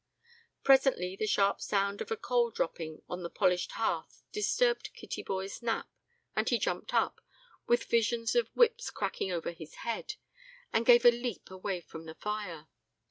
Presently, the sharp sound of a coal dropping on the polished hearth disturbed Kittyboy's nap, and he jumped up, with visions of whips cracking over his head, and gave a leap away from the fire.